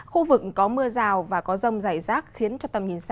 khu vực có mưa rào và có rông dài rác khiến tầm nhìn xa